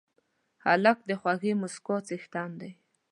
هلک د خوږې موسکا څښتن دی.